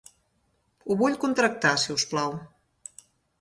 Ho vull contractar, si us plau.